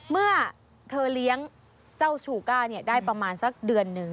เมื่อเธอเลี้ยงเจ้าชูก้าได้ประมาณสักเดือนหนึ่ง